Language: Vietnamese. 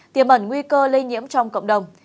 tiềm ẩn nguy cơ lây nhiễm trong cộng đồng